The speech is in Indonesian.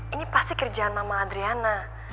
ini pasti kerjaan mama adriana